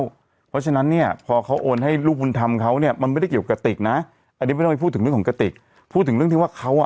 เพราะฉะนั้นพอเขาโอนให้ลูกคุณธรรมเขามันไม่ได้เกี่ยวกับกติกนะ